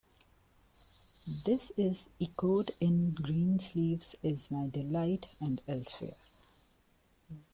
This is echoed in 'Greensleeves is my delight' and elsewhere.